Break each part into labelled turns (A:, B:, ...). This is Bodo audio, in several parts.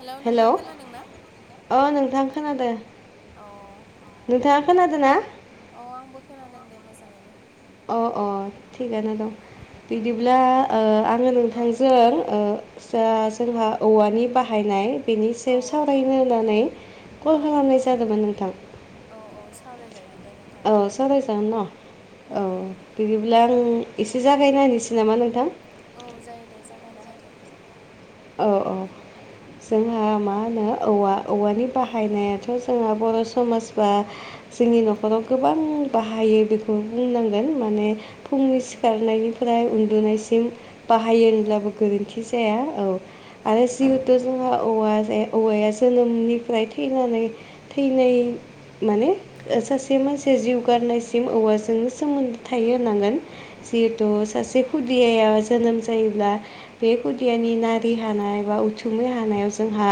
A: हेलौ नोंथां खोनादों ना?
B: अ नोंथां खोनादो
A: अ अ आंबो खोनादों दे मोजाङैनो
B: अ अ थिगानो दं
A: उम
B: बिदिब्ला ओ आङो
A: औ
B: नोंथांजों ओ जा जोंहा औवानि बाहायनाय बेनि
A: औ
B: सायाव सावरायनो होननानै
A: औ
B: कल खालामनाय जादोंमोन नोंथां।
A: औ औ सावरायजायो दे नों
B: औ सावराय जागोन न? औ बिदिब्ला आं एसे जागायनायसै नामा नोंथां?
A: औ जायो दे जागायना होदो।
B: औ औ जोंहा मा होनो औ औवानि
A: औ
B: बाहायनायाथ' जोंहा बर' समाजबा जोंनि
A: उम
B: न'खराव गोबां बाहायो बेखौ बे बुंनांगोन
A: उम
B: माने फुंनि
A: उम
B: सिखारनायनिफ्राय उन्दुनायसिम बाहायो
A: औ
B: होनब्लाबो गोरोन्थि जाया औ आरो
A: ओं
B: जिउ जिहेतु जोंहा औवा जे औवाया जोनोमनिफ्राय थैनानै थैनाय माने सासे
A: औ
B: मानसिया जिउ गारनायसिम औवाजोंनो सोमोन्दो थायो होनांगोन। जिहेथु
A: औ
B: सासे खुदियाया जोनोम जायोब्ला बे
A: उम
B: खुदियानि ना
A: उम
B: रि हानाय बा उथुमै हानायाव जोंहा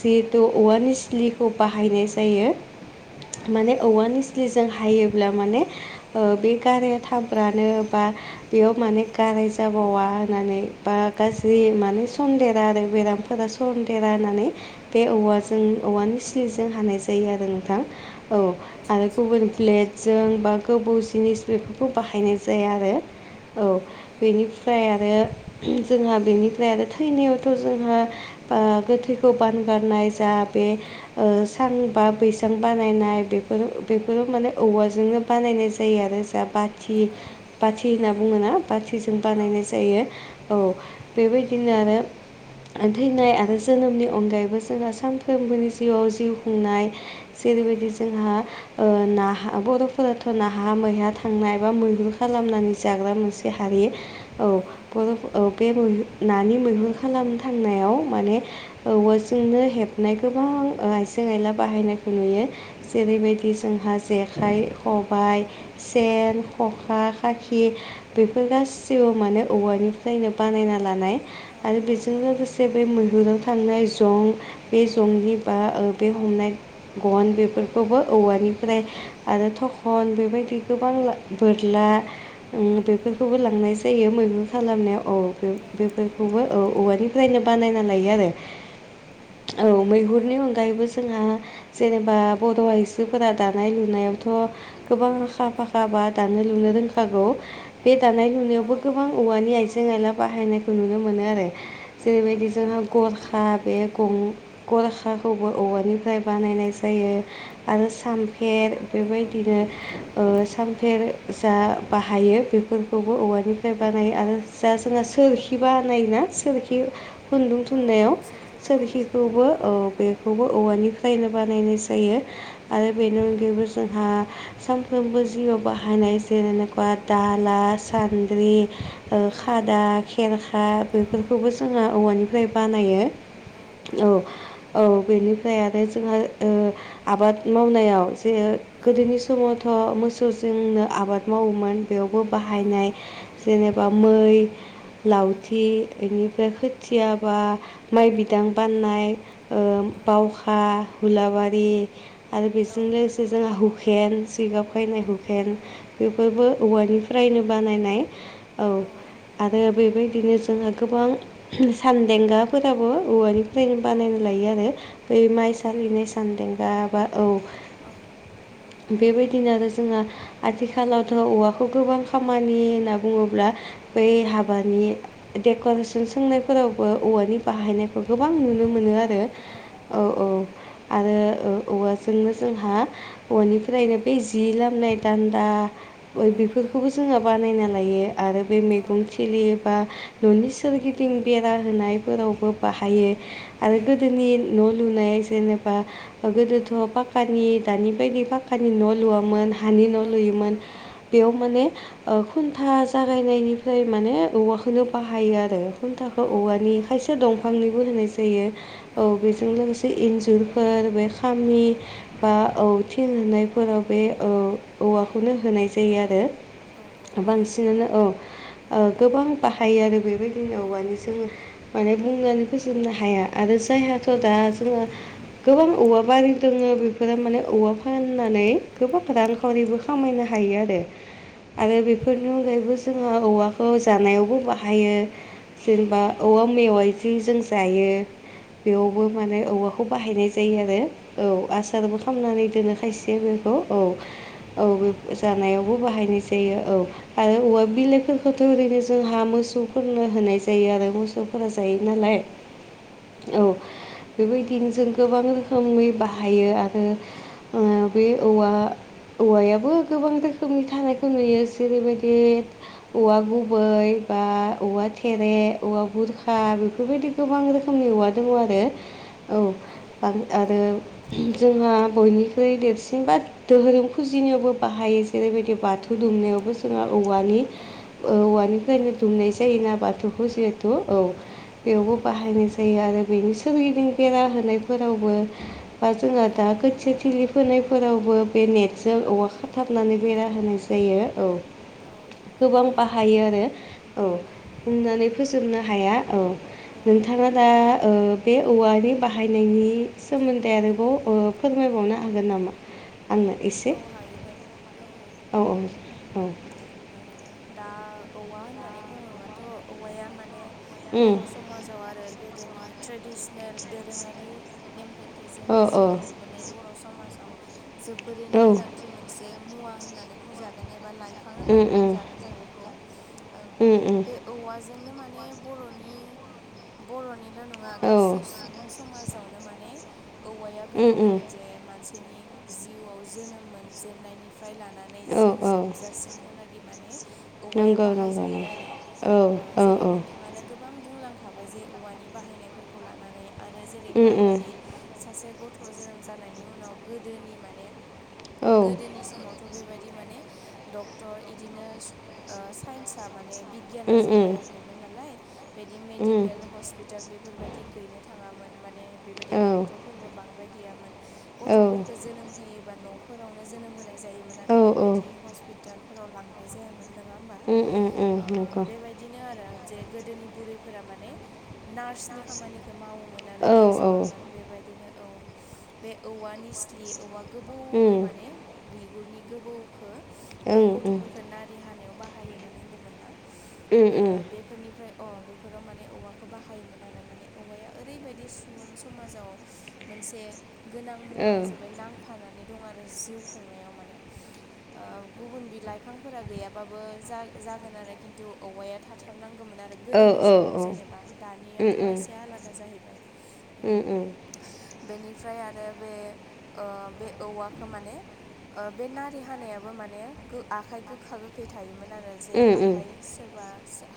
B: जिहेथु औवानि निसलिखौ बाहायनाय जायो माने
A: उम
B: औवा
A: उम
B: निस्लिजों हायोब्ला माने ओ बे गाराया थाब्रानो बा बेयाव माने
A: उम
B: गाराय जाबावा होननानै बा
A: औ
B: गाज्रि माने सन्देरा आरो बेरामफोरा सन्देरा
A: औ
B: होननानै बे
A: औ
B: औवाजों औवा निस्लिजों हानाय जायो आरो नोंथां औ
A: आतसा
B: आरो
A: आतसा
B: गुबुन
A: उम
B: प्लेट जों बा गोबौ जिनिस बेफोरखौ बाहायनाय जाया आरो औ बेनिफ्राय आरो जोंहा बेनिफ्राय आरो थैनायावथ' जोंहा ओ गोथैखौ बानगारनाय जा बे
A: उम
B: ओ सां बा बैसां बानायनाय बेफोरो बेफोरो माने औवाजोंनो बानायनाय जायो आरो दा बाथि
A: औ
B: बाथि होनना
A: उम
B: बुङो ना बाथिजों
A: औ उम औ
B: बानायनाय जायो औ बेबायदिनो आरो थैनाय आरो जोनोमनि अनगायैबो जोंहा सानफ्रोमबोनि जिउआव जिउ खुंनाय
A: औ
B: जेरैबायदि जोंहा ओ नाहा बर'फोराथ' नाहा मैहा थांनाय एबा मैहुर
A: उम
B: खालामनानै जाग्रा मोनसे हारि औ बर' औ बे मोन नानि मैहुर खालाम थांनायाव माने औवाजोंनो हेबनाय गोबां आइजें आयला बाहायनायखौ नुयो
A: उम
B: जेरैबायदि जोंहा जेखाइ खबाय सेन खखा खाखि बेफोर गासिबो माने औवानिफ्रायनो बानायना लानाय
A: औ
B: आरो
A: औ
B: बेजों
A: नंगौ
B: लोगोसे बे मैहुराव थांनाय जं बे
A: उम
B: जंनि बा ओ बे हमनाय गन बेफोरखौबो औवानिफ्राय
A: उम
B: आरो थखन बेबायदि गोबां बोरला उम बेफोरखौबो लांनाय जायो मैहुर खालामनायाव औ बेफोरखौबो औ औवानि फायनो बानायना लायो आरो औ मैहुरनि
A: ओं
B: अनगायैबो जोंहा जेनेबा बड' आइजोफोरा दानाय लुनायावथ' गोबां आखा फाखा बा दानो लुनो रोंखागौ बे दानाय
A: औ
B: जावबो गोबां औवानि आइजें आयला बाहायनायखौ नुनो मोनो आरो जेरैबायदि
A: औ
B: जोंना
A: औ
B: गरखा
A: बाहायो
B: बे गं गरखाखौबो औवानिफ्राय
A: उम
B: बानायनाय जायो आरो सामफेर
A: औ औ
B: बेबायदिनो ओ सामफेर जा बाहायो बेफोरखौबो औवानिफ्राय बानायो
A: औ
B: आरो जा जोंहा सोर सोरखि बानायनायोना सोरखि खुन्दुं
A: औ औ
B: थुननायाव
A: सोरखि बानायो
B: सोरखिखौबो
A: औ
B: बे बेखौबो औवानिफ्रायनो बानायनाय जायो आरो बेनि
A: उम उम
B: अनगायैबो जोंहा सानफ्रोमबो जिउआव बाहायनाय जेन'बा दाला सान्द्रि ओ
A: उम
B: खादा खेरखा
A: औ
B: बेफोरखौबो जोङो औवानिफ्राय बानायो औ औ बेनिफ्राय आरो जोंहा ओ आबाद मावनायाव जे
A: उम
B: गोदोनि समावथ' मोसौजोंनो आबाद मावोमोन बेयावबो
A: उम
B: बाहायनाय जेनेबा मै लावथि बेनिफ्राय खोथियाबा माइ बिदां बाननाय ओ बावखा हुलाबारि आरो
A: औ
B: बेजोंनो जोंहा हुकेन जिगाब
A: औ
B: खायनाय
A: औ
B: हुकेन बेफोरबो औवानिफ्रायनो बानायनाय औ आरो बेबायदिनो जोंहा गोबां सानदेंगाफोराबो औवानि फ्रायनो बानायना लायो आरो बै
A: नंगौ
B: माइसालिनाय सान्देंगा बा
A: नंगौ नंगौ
B: औ बेबायदिनो आरो जोङो आथिखालावथ' औवाखौ गोबां खामानि होनना बुङोब्ला बै
A: उम
B: बानि डेक'रेसन सोंनायफोरावबो औवानि बाहायनाय गोबां नुनो मोनो आरो औ औ आरो औवाजोंनो जोंहा
A: उम
B: औवानिफ्रायनो बै जि लामनाय दान्दा
A: उम
B: बेफोरखौबो जोङो बानायना लायो आरो बे
A: औ
B: मैगं थिलि एबा न'नि
A: उम
B: सोरगिदिं बेरा होनायफोरावबो बाहायो आरो
A: उम
B: गोदनि न' लुनाय जेनबा गोदोथ'
A: उम
B: पाक्कानि दानि बायदि पाक्कानि न' लुवामोन हानि न'
A: औ
B: लुयोमोन बेयाव माने खुन्था जागायनायनि फ्राय माने औवाखौनो
A: उम
B: बाहायो आरो खुनथाखो
A: औ
B: औवानि
A: नंगौ
B: खायसे दं
A: ओं
B: फांनिबो
A: उम
B: होनाय जायो औ बेजों लोगोसे इन्जुरफोर बे खामि
A: ओं
B: बा औ थिं होनायफोराव बे औ औवाखौनो होनाय जायो आरो
A: औ होयो
B: बांसिनानो औ
A: ओं
B: ओ गोबां बाहायो आरो बेबायदिनो
A: उम
B: औवानि जोङो माने बुंनानै फोजोबनो हाया आरो जायहाथ' दा
A: उम
B: जोङो गोबां औवा बारि दङो बेफोरो माने औवा फाननानै गोबां रां खावरिबो
A: उम
B: खामायनो हायो आरो आरो बेफोरनि अनगायैबो
A: औ
B: जोंहा
A: औ
B: औवा खौ
A: नंगौ
B: जानायावबो बाहायो जेनेबा औवा मेवाइ
A: उम
B: जि जों जायो बेयावबो माने
A: उम
B: औवाखौ
A: उम
B: बाहायनाय जायो आरो औ आसारबो
A: नंगौ
B: खालामनानै
A: नंगौ
B: दोनो खायसे
A: उम
B: बेखौ औ औ बे
A: उम
B: जानायावबो बाहायनाय जायो औ आरो औवा
A: औ
B: बिलाइफोरखौ थ' ओरैनो जोंहा मोसौफोरनो होनाय जायो आरो मोसौफोरा जायो
A: औ
B: नालाय
A: उम उम
B: औ बेबायदिनो जों गोबां रोखोमै बाहायो आरो ओ बे औवा औवायाबो गोबां रोखोमनि थानायखौ नुयो जेरैबायदि औवा गुबै बा औवा थेरे औवा गुरखा बेफोरबायदि गोबां रोखोमनि औवा दंङो आरो औ
A: औ
B: आरो जोंहा बयनिख्रुइ देरसिन बा दोहोरोम फुजिनायावबो बाहायो जेरैबायदि बाथौ दुमनायावबो जोंहा औवानि औवानिफ्रायनो दुमनाय जायोना बाथौखौ जिहेथु औ बेयावबो बाहायनाय जायो आरो बेनि सोरगिदिं बेरा होनायफोरावबो बा जोंहा दा गोथिया थिलि फोनायफोरावबो बे नेटजों औवा
A: उम उम
B: खाथाबनानै बेरा होनाय जायो जायो औ
A: औ औ नंगौ
B: गोबां
A: ओं
B: बाहायो आरो औ होननानै फोजोबनो हाया औ
A: औ
B: नोंथांङा दा ओ बे औवानि बाहायनायनि सोमोन्दै आरोबाव ओ फोरमायबावनो हागोन नामा आंनो एसे
A: औ हायो दे औ हायो
B: औ औ
A: उम
B: औ
A: दा औवा होननानै बुंङोबाथ' औवाया माने
B: उम
A: बर' समाजाव आरो गोदोनि ट्रेडिसनेल दोरोङारि नेमखान्थिजों
B: औ
A: जिउ
B: औ
A: खुंबोनाय बर' समाजाव जोबोरैनो
B: औ
A: गोनांथि मोनसे मुवा होननानै बुंजागोन एबा लाइफ फां
B: ओम
A: होननानै
B: ओम
A: बुंजागोन जों बेखौ ओं बे औवाजोंनो माने बर'नि बर'निल' नङा
B: औ
A: गासै सुबुं समाजावनो माने औवाया
B: उम
A: गोनां आरो
B: उम
A: जे मानसिनि जिउआव जोनोम मोन जेननायनि फ्राय लानानै
B: औ
A: जिउ
B: औ
A: जोब जासिमहालागै माने औवाया
B: नंगौ नंगौ
A: बाहायजायो आरो
B: नंगौ
A: ओ
B: औ औ
A: जेरै
B: औ
A: नोंथांङानो गोबां बुंलांखाबाय जे औवानि बाहायनायफोरखौ लानानै आरो जेरै
B: उम उम
A: माबादि सासे गथ' जोनोम जानायनि उनाव गोदोनि माने
B: औ
A: गोदोनि समाव थ' बेबायदि माने डक्टर बिदिनो स साइन्सा माने बिगियाना
B: उम उम
A: जौगायाखैमोन नालाय बिदि
B: उम
A: मेडिकेल हस् हस्पिटाल बेफोरबायदि गैनो थांङामोन माने बेबायदि
B: औ
A: डक्टरफोरबो बांद्राय गैयामोन
B: औ
A: गथ'फोरखौ जोनोम होयोबा न' फोरावनो जोनोम होनाय जायोमोन आरो
B: औ
A: बेबायदि हस्पिटालफोराव लांनाय जायामोन नङा होमबा
B: उम उम उम नंगौ
A: बेबायदिनो आरो जे गोदोनि बुरैफोरा माने नार्सनि खामानिखौ मावोमोन आरो
B: औ औ उम
A: एक्सपार्टमोन बेबायदिनो औ बे औवा निस्लि औवा
B: ओं
A: गोबौखौमाने बिगुरनि गोबौखो
B: उम
A: बे
B: उम उम
A: गथ'फोरफोरखौ नारि हानायाव बाहायोमोन होनदोंमोन ना
B: औ औ
A: ओ बे फोरनिफ्राय अ बेफोराव माने औवाखौ बाहायोमोन आरो माने औवाया ओरैबायदि सुबुं समाजाव मोनसे गोनां मुवा
B: औ
A: जाबाय नांफानानै दं आरो जिउ खुंनायाव माने गुबुन बिलाइफांफोरा गैयाबाबो जागोन आरो खिन्थु औवाया थाथारनांगौमोन आरो
B: उम उम उम औ उम औ उम
A: गोदोनि समाव जेनेबा दानियाथ' एसे आलादा जाहैबाय ओम बेनिफ्राय आरो बे बे औवाखौ माने ओ बे नारि हानायाबो माने आखाइ गोखा गोखै थायोमोन आरो जे आखाइ सोरबा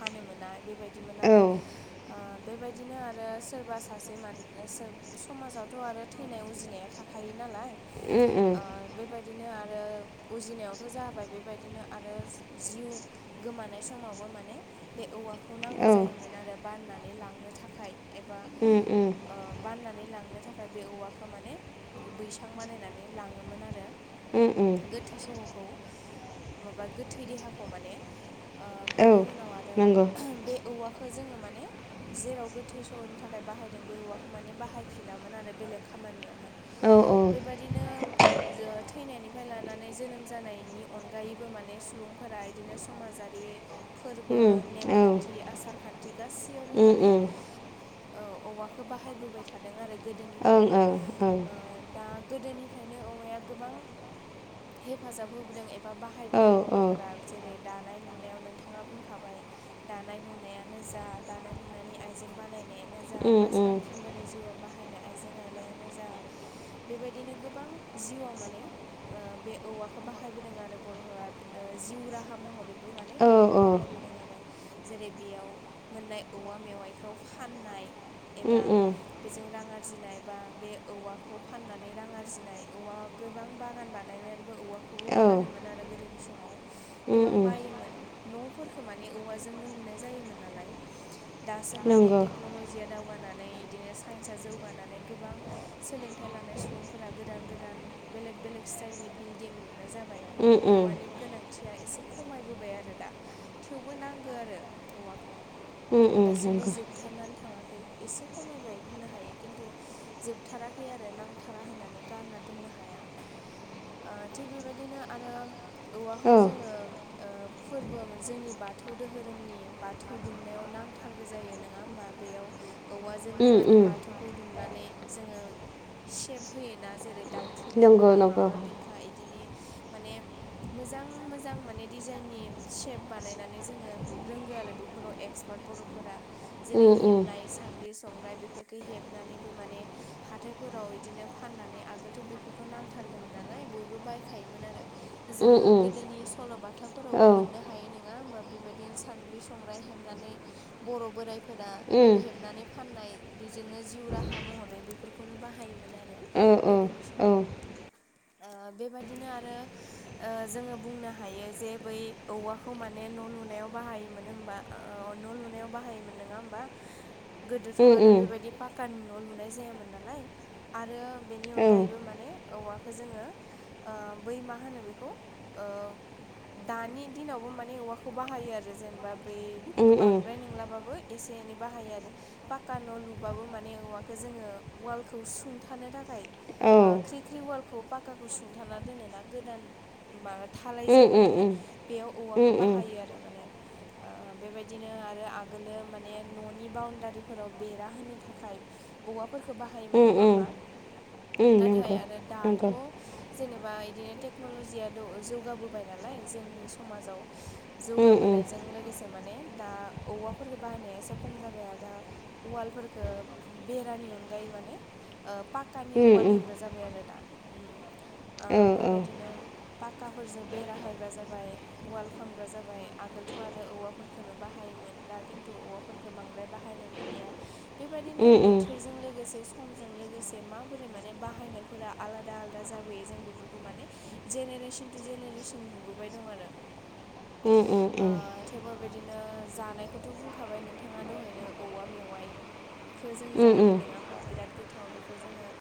A: हानो मोना बेबायदिमोन आरो ओ बेबायदिनो आरो सोरबा सासे माने समाजावथ' आरो थैनाय उजिनाया थाखायो नालाय ओ बेबायदिनो आरो उजिनायाव थ' जाबाय बेबायदिनो आरो जिउ गोमानाय समावबो माने बे औवाखौ नांगौ जायोमोन आरो बाननानै लांनो थाखाय एबा
B: ओम‌ ओम
A: ओ बाननानै लांनो थाखाय बे औवाखौ माने बैसां बानायनानै लाङोमोन आरो
B: उ उ
A: गोथै सहखौ माबा गोथै देहाखौ माने ओ बेनि
B: औ
A: उनाव आरो
B: नंगौ
A: बे औवाखौ जोङो माने जेराव गोथै स'नि थाखाय बाहायदों बे औवाखौ माने बाहायफिनामोन आरो बेलेग खामानियावहाय
B: औ औ
A: बेबायदिनो जो थैनायनिफ्राय लानानै जोनोम जानायनि अनगायैबो माने सुबुंफोरा बिदिनो समाजारि फोरबो
B: ओं ओं
A: नेमखान्थि आसार खान्थि गासैयावबो
B: ओं
A: माने
B: ओं
A: औ औवाखौ बाहायबोबाय थादों आरो
B: ओं औ
A: गोदोनिफ्रायनो
B: औ
A: दा गोदोनिफ्रायनो औवाया गोबां हेफाजाब होबोदों एबा बाहायबोदों
B: औ
A: बर'फोरा
B: औ
A: जेरै दानाय लुनायाव नोंथाङा बुंखाबाय दानाय लुनायानो जा दानाय लुनायनि आइजें बानायनाया जा बा
B: औ
A: सानफ्रोमबोनि जिउआव बाहायनाय आइजें आइलायानो जा बेबायदिनो गोबां जिउआव माने बे औवाखौ बाहायबोदों आरो बर'फोरा जिउ राहा महरै बो माने औवाखौ बाहायबोदों आरो जेरै बेयाव मोननाय औवा मेवाइखौ फाननाय एबा बेजों रां आरजिनाय बा बे औवाखौ फाननानै रां आरजिनाय औवा गोबां बागान बानायनानै औवाखौबो
B: नंगौ
A: फानोमोन आरो गोदोनि समाव गोबां बायोमोन न'फोरखौ माने औवाजोंनो लुनाय जायोमोन नालाय दासो माने
B: नंगौ
A: टेक्न'ल'जिया दावगानानै बिदिनो साइन्सआ जौगानानै गोबां सोलोंथाइ लानाय सुबुंफोरा गोदान गोदान बेलेग बेलेग स्टाइलनि बिल्डिं लुनाय जाबाय
B: औ
A: औवानि
B: नंगौ
A: गोनांथिया एसे खमायबोबाय आरो दा थेवबो नांगौ आरो औवाखौ
B: नंगौ
A: दासिमबो जोबथारनानै थाङाखै एसे खमायबाय बुंनो हायो खिनथु जोबथाराखै आरो नांथारा होननानै गारना दोननो हाया। ओ थिग बेबायदिनो आरो औवाखौ
B: औ औ
A: जोङो बो ओ फोरबो जोंनि बाथौ दोहोरोमनि बाथौ दुमनायाव नांथारगे जायो नङा होमबा ओ? बेयाव ओ औवाजोंनो
B: औ
A: माने
B: औ
A: बाथौखौ दुमनानै जोङो सेब होयोना जेरै दाउनि थु
B: नंगौ
A: बिखा
B: नंगौ
A: माबा बिखा बिदिनो माने बिदि ओ मोजां मोजां माने डिजाइननि सेप बानायनानै जोङो रोंगो आरो बेफोराव एक्स बर'फोरा जेरै हेबनाय सानद्रि संग्राय बेफोरखौ हेबनानैबो माने हाथायफोराव बिदिनो फाननानै आगोलदो नांथारगौमोन नालाय बयबो बायखायोमोन आरो जोङो गोदोनि सल'बाथाफोरा फोरावबो मोननो हायो नोङा होमबा बेबायदिनो सानद्रि संग्राय हेबनानै बर' बोराया फोरा हेबनानै फाननाय बेजोंनो जिउ राहा महरै बेफोरखौनो बाहायोमोन आरो गोदोनि समावनो ओ बेबादिनो आरो ओ जोङो बुंनो हायो जे बै औवाखौ माने न' लुनायाव बाहायोमोन होमबा ओ औ न' लुनायाव बाहायोमोन नङा होनबा।
B: [inaudible]
A: गोदोथ' आरो बेबादि पाक्कानि न' लुनाय जायामोन नालाय आरो बेनि अनगायैबो माने औवाखौ जोङो। ओ बै मा होनो बेखौ दानि दिनावबो माने औवाखौ बाहायो आरो जेनेबा बै बांद्राय नोंलाबाबो। एसे एनै बाहायो आरो। पाक्का न' लुबाबो माने औवाखौ जोङो ओ उवालखौ सुंथानो थाखाय ख्रिख्रि वालखौ पाक्काखौ सुंथाना दोनोना गोदान माबा थालाय जेनबाथाय बेयाव औवाखौ बाहायो आरो माने बेबादिनो आरो आगोलो माने न'नि बाउणडारिफोराव बेरा होनो थाखाय औवाफोरखौ बाहायोमोन नङा होमबा नाथाय आरो दाथ' जों जेनेबा बिदिनो टेक्न'ल'जिया जौगाबोबाय नालाय जोंनि समाजाव जौगाबोनायजों लोगोसे माने दा औवा फोरखौ बाहायनाया एसे खम जाबाय आरो दायो उवालफोरफोरखौ बेरानि अनगायै माने ओ पाक्कानि उवाल होग्रा जाबाय आरोना ओ
B: औ औ
A: बेबायदिनो पाक्काफोरजों बेरा होग्रा जाबाय। उवाल खांग्रा जाबाय आगोलथ' आरो औवाफोरफोरखौननो बाहायोमोन दा खिन्थु औवाफोरखौ ओ गोबांलाय बाहायनाय नुलिया बेबादिनो बोथोरजों लोगोसे समजों लोगोसे माबोरै माने बाहायनायफोरा आलादा आलादा दा जाबोयो जों बेफोरखौ माने जेनेरेसन टु जेनेरेसन नुबोबाय दं आरोना
B: उम उम उम।
A: थिग बेबायदिनो जानायखौथ' बुंखाबाय नोंथाङा दहायनो औवा मेवाइआ ओखौ जों जायो नङा होमबा बिराद गोथाव बेखौ जोङो।